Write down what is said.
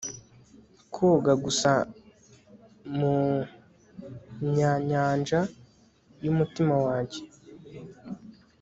koga gusa mumyanyanja yumutima wanjye